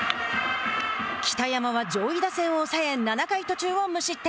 北山は上位打線を抑え７回途中を無失点。